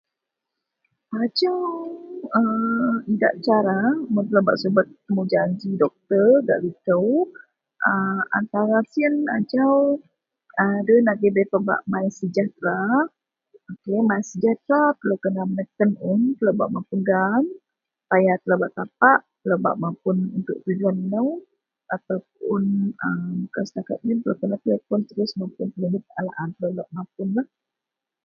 Ajau a idak cara mun telo bak subet temujanji doktor gak liko a antara siyen ajau a doloyen bei pebak mysejahtera mysejahtera telo meneken un telo bak mapuon gaan paya telo bak tapak jegem ino puon atau atau telepon akou lok mapun.